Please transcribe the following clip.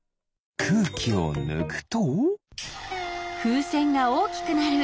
くうきをぬくと？